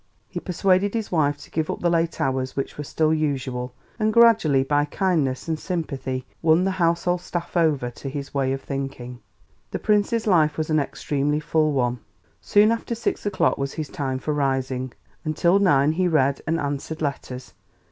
He persuaded his wife to give up the late hours which were still usual, and gradually, by kindness and sympathy, won the household staff over to his way of thinking. The Prince's life was an extremely full one. Soon after six o'clock was his time for rising. Until nine he read and answered letters.